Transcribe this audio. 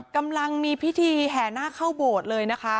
กำลังมีพิธีแหน่เข้าบวชเลยนะคะ